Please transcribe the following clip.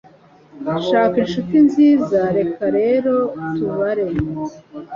Shaka inshuti nziza Reka rero tubare